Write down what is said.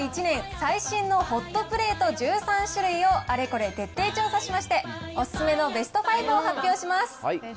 最新のホットプレート１３種類をあれこれ徹底調査しまして、お勧めのベスト５を発表します。